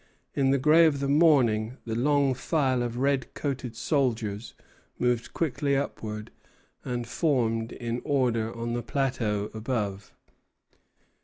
In the gray of the morning the long file of red coated soldiers moved quickly upward, and formed in order on the plateau above.